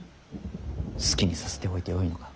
好きにさせておいてよいのか。